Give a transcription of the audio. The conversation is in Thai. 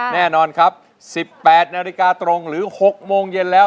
แน่นอนครับ๑๘นาฬิกาตรงหรือ๖โมงเย็นแล้ว